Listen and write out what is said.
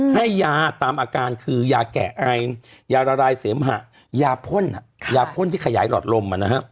ให้ยาตามอาการคือยาแกะไอยาละลายเสมหะยาพ่นยาพ่นที่ขยายหลอดลม